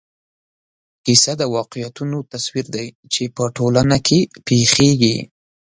کیسه د واقعیتونو تصویر دی چې په ټولنه کې پېښېږي.